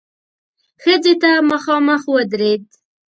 ښځې ته مخامخ ودرېد.